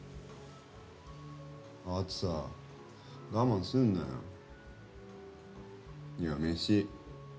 あとさ我慢すんなよいやメシ